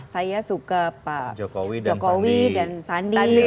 saya suka pak jokowi dan sandi